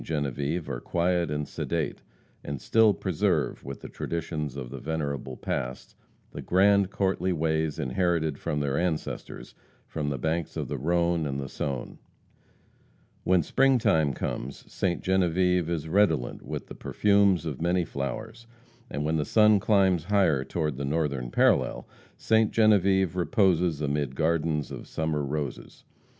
Genevieve are quiet and sedate, and still preserve, with the traditions of the venerable past, the grand, courtly ways inherited from their ancestors from the banks of the Rhone and the Saone. When spring time comes, Ste. Genevieve is redolent with the perfumes of many flowers, and when the sun climbs higher toward the northern parallel, Ste. Genevieve reposes amid gardens of summer roses.